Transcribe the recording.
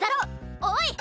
おい！